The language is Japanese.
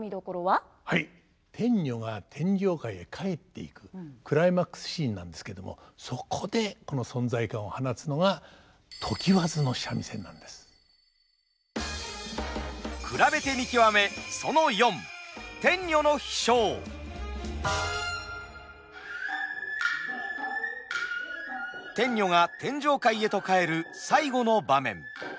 はい天女が天上界へ帰っていくクライマックスシーンなんですけどもそこで存在感を放つのが天女が天上界へと帰る最後の場面。